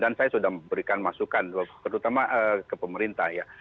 dan saya sudah memberikan masukan terutama ke pemerintah ya